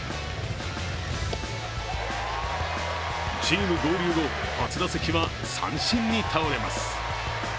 チーム合流後初打席は三振に倒れます。